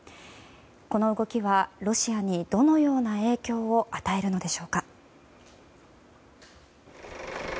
この動きはロシアにどのような影響を与えるのでしょうか。